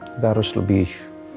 kita harus lebih